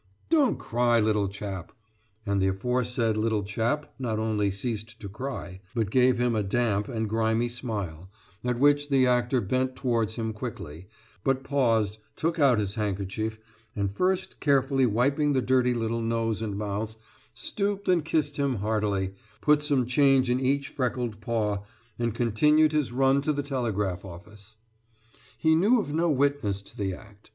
"Don't cry, little chap!" And the aforesaid little chap not only ceased to cry, but gave him a damp and grimy smile, at which the actor bent towards him quickly, but paused, took out his handkerchief, and first carefully wiping the dirty little nose and mouth, stooped and kissed him heartily, put some change in each freckled paw, and continued his run to the telegraph office. He knew of no witness to the act.